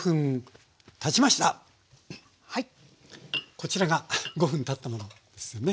こちらが５分たったものですよね？